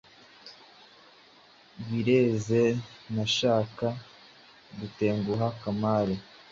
Bireze ntashaka gutenguha Kamali.